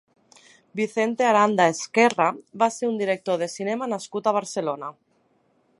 Vicente Aranda Ezquerra va ser un director de cinema nascut a Barcelona.